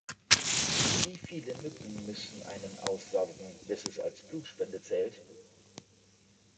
Wie viele Mücken müssen einen aussaugen, bis es als Blutspende zählt?